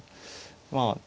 まあ